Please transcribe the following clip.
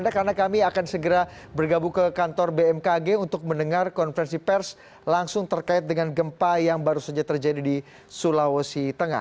karena kami akan segera bergabung ke kantor bmkg untuk mendengar konferensi pers langsung terkait dengan gempa yang baru saja terjadi di sulawesi tengah